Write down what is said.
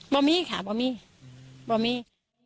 ไม่มีค่ะไม่มี